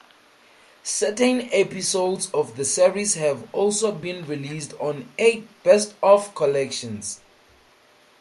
Certain episodes of the series have also been released on eight "best of" collections.